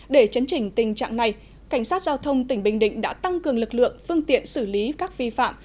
để chấn chỉnh tình trạng này cảnh sát giao thông tỉnh bình định đã tăng cường lực lượng phương tiện xử lý các vi phạm